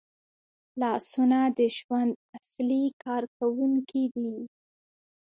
لاسونه د ژوند اصلي کارکوونکي دي